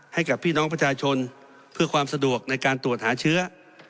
ให้กับพี่น้องประชาชนเพื่อความสะดวกในการตรวจหาเชื้อ